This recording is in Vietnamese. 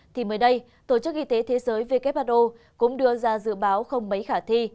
thì mới đây tổ chức y tế thế giới who cũng đưa ra dự báo không mấy khả thi